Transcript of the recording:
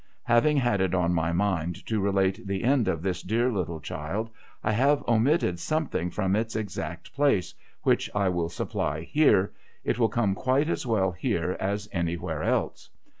Having had it on my mind to relate the end of this dear little BLIGH'S EXPERIENCE 133 child, I have omitted something from its exact place, which I will supply here. It will come quite as well here as anywhere else.